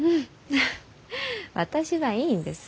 フッ私はいいんです。